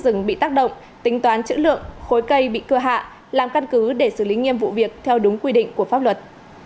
rừng bị tác động tính toán chữ lượng khối cây bị cưa hạ làm căn cứ để xử lý nghiêm vụ việc theo đúng quy định của pháp luật